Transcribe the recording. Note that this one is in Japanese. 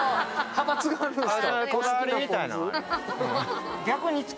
派閥があるんですか？